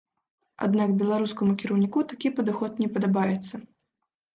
Аднак беларускаму кіраўніку такі падыход не падабаецца.